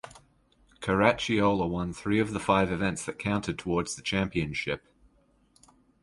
Caracciola won three of the five events that counted towards the championship.